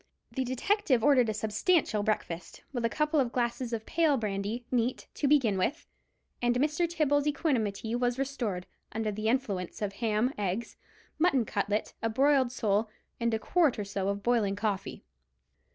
The detective ordered a substantial breakfast, with a couple of glasses of pale brandy, neat, to begin with; and Mr. Tibbles' equanimity was restored, under the influence of ham, eggs, mutton cutlet, a broiled sole, and a quart or so of boiling coffee.